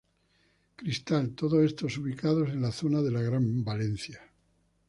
Cristal, todos estos ubicados en la zona de la Gran Valencia.